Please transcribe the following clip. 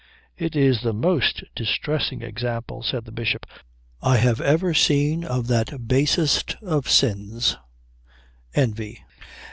"It is the most distressing example," said the Bishop, "I have ever seen of that basest of sins, envy."